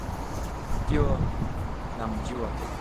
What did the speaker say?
Ndio namjua